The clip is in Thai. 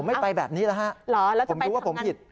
ผมไม่ไปแบบนี้แล้วฮะหรอแล้วจะไปทำงานผมรู้ว่าผมผิด